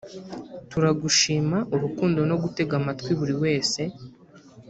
Turagushima urukundo no gutega amatwi buri wese